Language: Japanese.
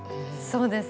そうです。